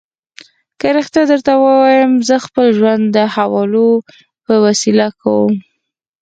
که رښتیا درته ووایم، زه خپل ژوند د حوالو په وسیله کوم.